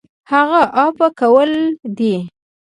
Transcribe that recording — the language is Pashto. هغه عفوه کول دي .